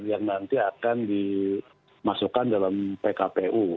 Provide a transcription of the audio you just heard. yang nanti akan dimasukkan dalam pkpu